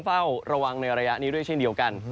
เฝ้าระวังในระยะนี้ด้วยเช่นเดียวกัน